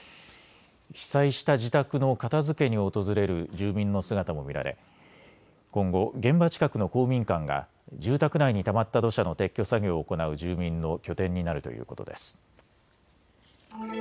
被災した自宅の片づけに訪れる住民の姿も見られ今後、現場近くの公民館が住宅内にたまった土砂の撤去作業を行う住民の拠点になるということです。